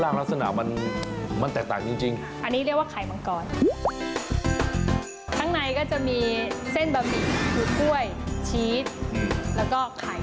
มีเส้นบะหมี่หรือกล้วยชีสแล้วก็ไข่